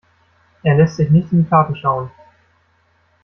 Er lässt sich nicht in die Karten schauen.